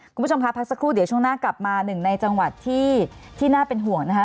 คุณผู้ชมคะพักสักครู่เดี๋ยวช่วงหน้ากลับมาหนึ่งในจังหวัดที่น่าเป็นห่วงนะคะ